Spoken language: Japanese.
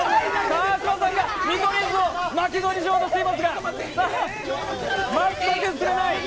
川島さんが見取り図を巻き添えにしようとしていますが全く出ない！